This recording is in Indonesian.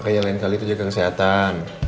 makanya lain kali tujuan kesehatan